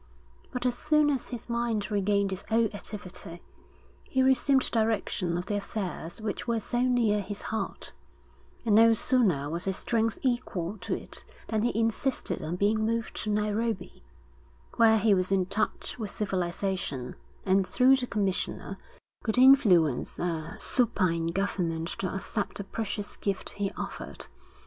But as soon as his mind regained its old activity, he resumed direction of the affairs which were so near his heart; and no sooner was his strength equal to it than he insisted on being moved to Nairobi, where he was in touch with civilisation, and, through the commissioner, could influence a supine government to accept the precious gift he offered.